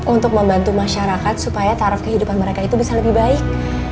untuk membantu masyarakat supaya taraf kehidupan mereka itu bisa lebih baik